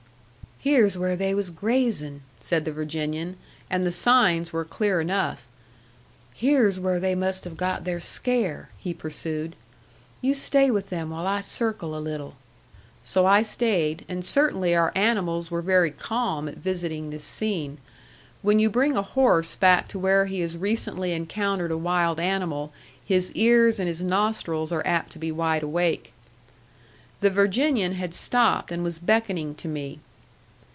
"Here's where they was grazing," said the Virginian; and the signs were clear enough. "Here's where they must have got their scare," he pursued. "You stay with them while I circle a little." So I stayed; and certainly our animals were very calm at visiting this scene. When you bring a horse back to where he has recently encountered a wild animal his ears and his nostrils are apt to be wide awake. The Virginian had stopped and was beckoning to me.